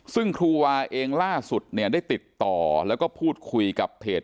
ซึ่งครูวาเองล่าสุดเนี่ยได้ติดต่อแล้วก็พูดคุยกับเพจ